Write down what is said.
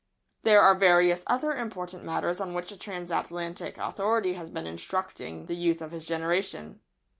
There are various other important matters on which a transatlantic authority has been instructing the youth of his generation.